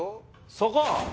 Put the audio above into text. そこ！